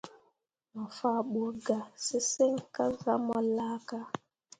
Mo faa ɓu ga sesǝŋ kah zah mu laaka.